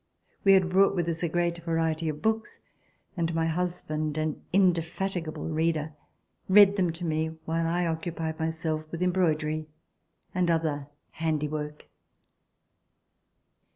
We had brought with us a great variety of books and my husband, an indefatigable reader, read them to me while I occupied myself with embroidery and other handiwork.